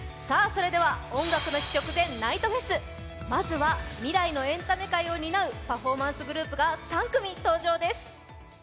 それでは「音楽の日」直前ナイトＦｅｓ．まずは未来のエンタメ界を担うパフォーマンスグループが３組登場です